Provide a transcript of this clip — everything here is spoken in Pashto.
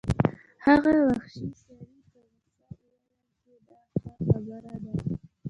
هغه وحشي سړي په غوسه وویل چې دا ښه خبره ده